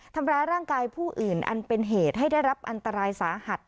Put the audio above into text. ทำร้ายร่างกายผู้อื่นอันเป็นเหตุให้ได้รับอันตรายสาหัส